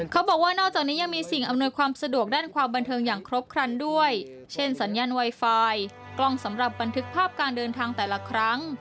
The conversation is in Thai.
นอกจากนี้ยังมีสิ่งอำนวยความสะดวกด้านความบันเทิงอย่างครบครันด้วยเช่นสัญญาณไวไฟกล้องสำหรับบันทึกภาพการเดินทางแต่ละครั้ง